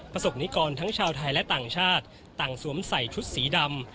สกนิกรทั้งชาวไทยและต่างชาติต่างสวมใส่ชุดสีดำ